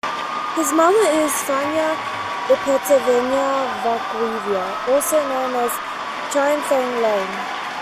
His mother is Faina Ipatyevna Vakhreva, also known as Chiang Fang-liang.